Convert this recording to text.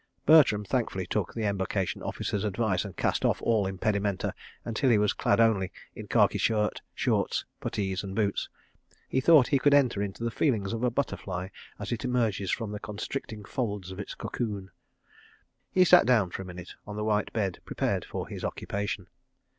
Bertram thankfully took the Embarkation Officer's advice, and cast off all impedimenta until he was clad only in khaki shirt, shorts, puttees and boots. He thought he could enter into the feelings of a butterfly as it emerges from the constricting folds of its cocoon. He sat down for a minute on the white bed prepared for his occupation.